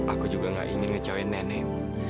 aku juga nggak ingin ngecawain nenek